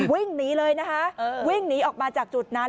วิ่งหนีเลยนะคะวิ่งหนีออกมาจากจุดนั้น